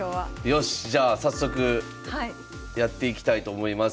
よしじゃあ早速やっていきたいと思います。